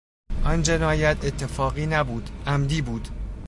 آن جنایت اتفاقی نبود; عمدی بود.